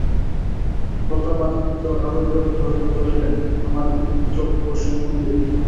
প্রতাপাদিত্য আরও বিরক্ত হইয়া কহিলেন, আমার পিতৃব্য সম্বন্ধে কী?